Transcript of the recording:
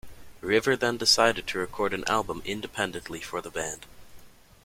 River then decided to record an album independently for the band.